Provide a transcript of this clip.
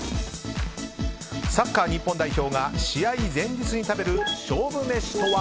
サッカー日本代表が試合前日に食べる勝負メシとは。